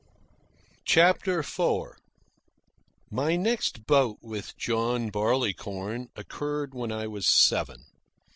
CHAPTER IV My next bout with John Barleycorn occurred when I was seven.